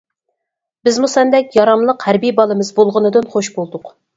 بىزمۇ سەندەك ياراملىق ھەربىي بالىمىز بولغىنىدىن خوش بولدۇق.